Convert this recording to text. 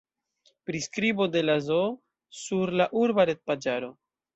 Priskribo de la zoo sur la urba retpaĝaro.